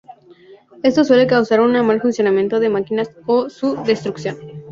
Esto suele causar un mal funcionamiento de máquinas o su destrucción.